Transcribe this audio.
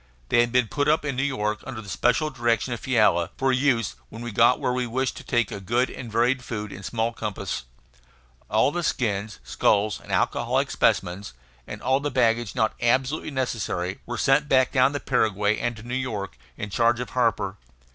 They had been put up in New York under the special direction of Fiala, for use when we got where we wished to take good and varied food in small compass. All the skins, skulls, and alcoholic specimens, and all the baggage not absolutely necessary, were sent back down the Paraguay and to New York, in charge of Harper.